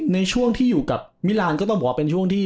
ในช่วงที่อยู่กับมิลานก็ต้องบอกว่าเป็นช่วงที่